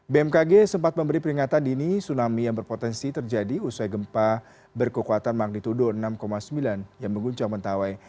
bmkg sempat memberi peringatan dini tsunami yang berpotensi terjadi usai gempa berkekuatan magnitudo enam sembilan yang mengguncang mentawai